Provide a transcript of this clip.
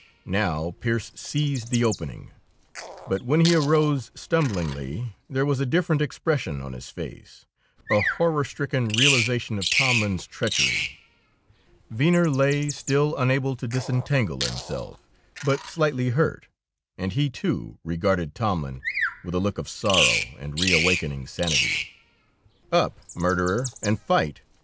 Now Pearse seized the opening; but when he arose, stumblingly, there was a different expression on his face, a horror stricken realization of Tomlin's treachery. Venner lay, still unable to disentangle himself, but slightly hurt, and he, too, regarded Tomlin with a look of sorrow and reawakening sanity. "Up, murderer, and fight!"